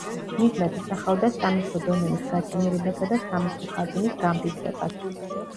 მიზნად ისახავდა სამეფო დომენის გაძლიერებასა და სამეფო ხაზინის გამდიდრებას.